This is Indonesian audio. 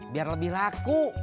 biar lebih laku